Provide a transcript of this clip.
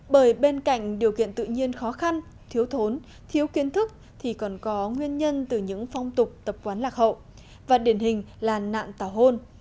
bởi bên cạnh điều kiện tự nhiên khó khăn thiếu thốn thiếu kiến thức thì còn có nguyên nhân từ những phong tục tập quán lạc hậu và điển hình là nạn tảo hôn